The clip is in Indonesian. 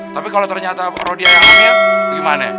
tapi kalo ternyata orang dia yang namanya gimana